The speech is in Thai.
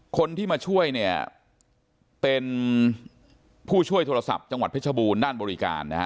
คนที่มาช่วยเนี่ยเป็นผู้ช่วยโทรศัพท์จังหวัดเพชรบูรณ์ด้านบริการนะฮะ